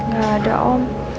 gak ada om